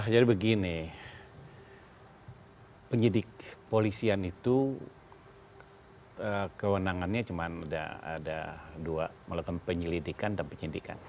jadi begini penyidik polisian itu kewenangannya cuma ada dua malah penyelidikan dan penyidikan